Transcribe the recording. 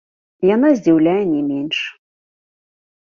Яна здзіўляе не менш.